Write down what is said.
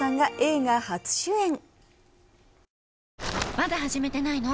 まだ始めてないの？